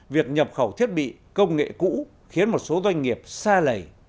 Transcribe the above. việc nhập khẩu thiết bị công nghệ cũ khiến một số doanh nghiệp xa lầy